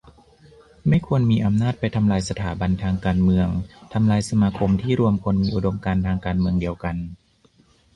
ไม่ควรมีอำนาจไปทำลายสถาบันทางการเมือง ทำลายสมาคมที่รวมคนมีอุดมการณ์ทางการเมืองเดียวกัน